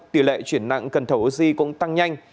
tỷ lệ chuyển nặng cần thở oxy cũng tăng nhanh